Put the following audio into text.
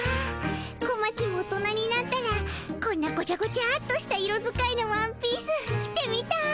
こまちも大人になったらこんなごちゃごちゃっとした色使いのワンピース着てみたい。